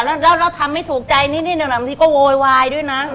แล้วเราทำไม่ถูกใจนิดนะอันนี้ก็โว๊ยวายด้วยนะ